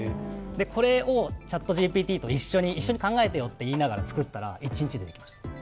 これをＣｈａｔＧＰＴと一緒に考えてよって言いながら作ったら１日でできました。